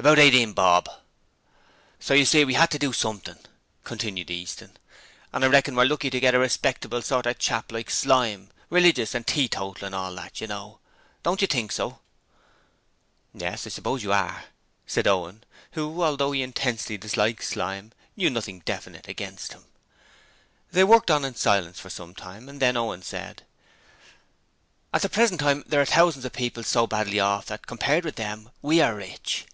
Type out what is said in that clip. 'About eighteen bob.' 'So you see we had to do something,' continued Easton; 'and I reckon we're lucky to get a respectable sort of chap like Slyme, religious and teetotal and all that, you know. Don't you think so?' 'Yes, I suppose you are,' said Owen, who, although he intensely disliked Slyme, knew nothing definite against him. They worked in silence for some time, and then Owen said: 'At the present time there are thousands of people so badly off that, compared with them, WE are RICH.